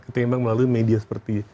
ketimbang melalui media seperti